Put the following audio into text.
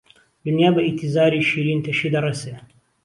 دونیا بە ئیتیزاری، شیرین تەشی دەڕێسێ